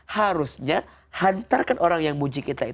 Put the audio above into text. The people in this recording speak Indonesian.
harusnya hantarkan orang yang muji kita